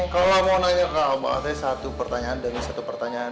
kalo mau nanya ke abah teh satu pertanyaan demi satu pertanyaan